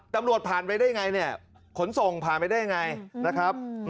ตำรวจผ่านไปได้ยังไงขนส่งผ่านไปได้ยังไงนะครับ